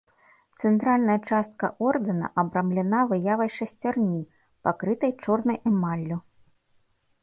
Цэнтральная частка ордэна абрамлена выявай шасцярні, пакрытай чорнай эмаллю.